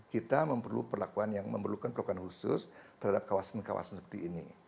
kita memerlukan perlakuan khusus terhadap kawasan kawasan seperti ini